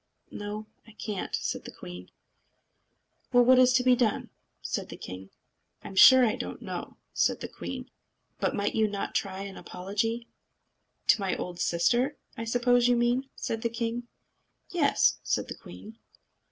"No, I can't," said the queen. "Well, what's to be done?" said the king. "I'm sure I don't know," said the queen. "But might you not try an apology?" "To my old sister, I suppose you mean?" said the king. "Yes," said the queen.